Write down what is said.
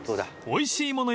［おいしいもの